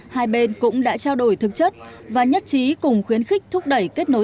hai bên cũng đã trao đổi thực chất và nhất trí cùng khuyến khích thúc đẩy kết nối